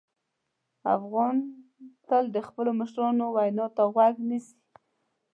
افغان تل د خپلو مشرانو وینا ته غوږ نیسي.